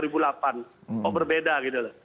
berbeda gitu loh